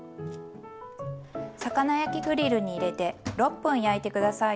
魚焼きグリルに入れて６分焼いて下さい。